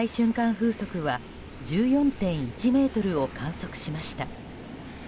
風速は１４．１メートルを観測しました。